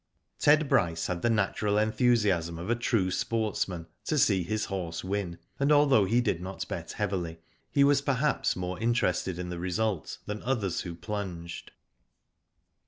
Ted Bryce had the natural enthusiasm of a true sportsman to see his horse win, and although he did not bet heavily, he was perhaps more inte rested in the result than others who plunged.